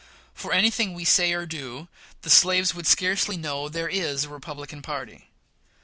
For any thing we say or do, the slaves would scarcely know there is a Republican party.